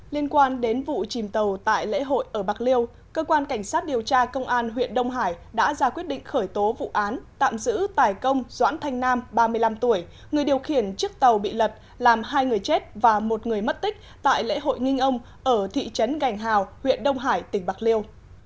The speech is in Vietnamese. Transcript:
liên quan đến vụ chìm tàu tại lễ hội ở bạc liêu cơ quan cảnh sát điều tra công an huyện đông hải đã ra quyết định khởi tố vụ án tạm giữ tài công doãn thanh nam ba mươi năm tuổi người điều khiển chiếc tàu bị lật làm hai người chết và một người mất tích tại lễ hội nginh ông ở thị trấn gành hào huyện đông hải tỉnh bạc liêu